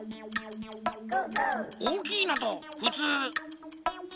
おおきいのとふつう。